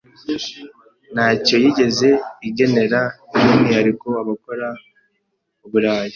ntacyo yigeze igenera by’umwihariko abakora ’uburaya